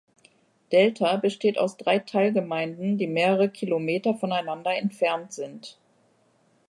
Delta besteht aus drei Teilgemeinden, die mehrere Kilometer voneinander entfernt sind.